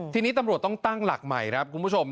ทีนี้ตำรวจต้องตั้งหลักใหม่ครับคุณผู้ชม